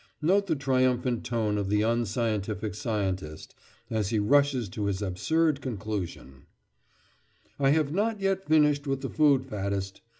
Note the triumphant tone of the unscientific scientist as he rushes to his absurd conclusion: "I have not yet finished with the food faddist.